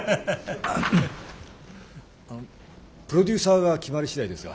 プロデューサーが決まり次第ですが。